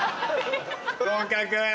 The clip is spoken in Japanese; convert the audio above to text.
合格。